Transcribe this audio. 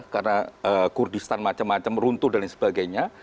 karena kurdistan macam macam runtuh dan sebagainya